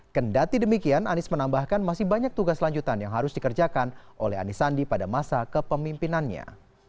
kendati demikian anies menambahkan masih banyak tugas lanjutan yang harus dikerjakan oleh anies sandi pada masa kepemimpinannya